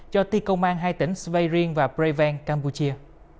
cho ti công an hai tỉnh sveiring và preven campuchia